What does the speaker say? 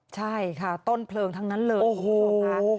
ใช่ค่ะต้นเพลิงทั้งนั้นเลยคุณผู้ชมค่ะ